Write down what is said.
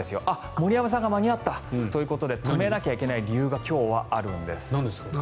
森山さんが間に合った。ということで止めなきゃいけない理由が今日はあるんです。